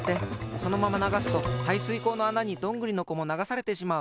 そのままながすとはいすいこうのあなにどんぐりのこもながされてしまう。